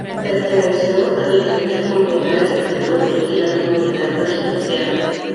Perteneció a diferentes comunidades de Cataluña y la Comunidad Valenciana.